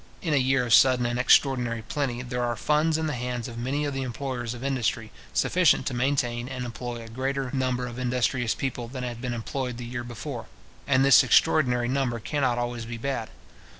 In a year of sudden and extraordinary plenty, there are funds in the hands of many of the employers of industry, sufficient to maintain and employ a greater number of industrious people than had been employed the year before; and this extraordinary number cannot always be had.